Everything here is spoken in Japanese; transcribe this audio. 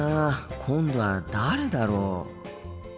今度は誰だろう。